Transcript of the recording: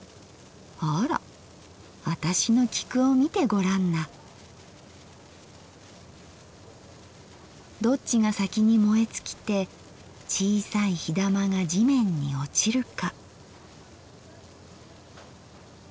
『あーら私の菊を見てごらんな』どっちが先に燃えつきて小さい火玉が地面におちるか。